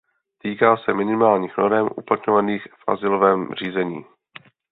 Týká se minimálních norem uplatňovaných v azylovém řízení.